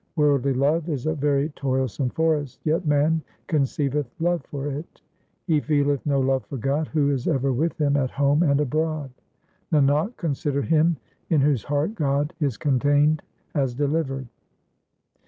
Worldly love is a very toilsome forest, yet man conceiveth love for it. He feeleth no love for God who is ever with him at home and abroad. Nanak, consider him in whose heart God is contained as delivered.